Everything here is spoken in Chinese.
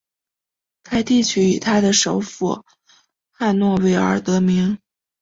该地区以它的首府汉诺威而得名。